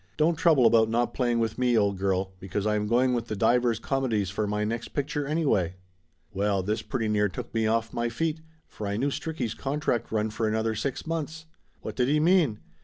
"Don't trouble about not playing with me, old girl, because I am going with the Divers Comedies for my next picture, any way!" Well, this pretty near took me off my feet, for I knew Stricky's contract run for another six months. What did he mean